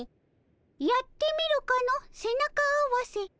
やってみるかの背中合わせ。